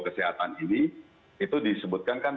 kesehatan ini itu disebutkan